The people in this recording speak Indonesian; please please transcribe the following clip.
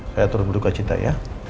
saya terus berduka cinta ya